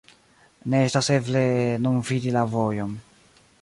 Ne estas eble nun vidi la vojon.